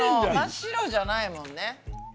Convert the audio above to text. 真っ白じゃないもんね。